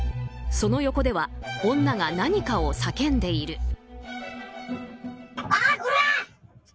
その横では女が何かを叫んでいる。